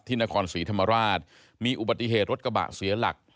นครศรีธรรมราชมีอุบัติเหตุรถกระบะเสียหลัก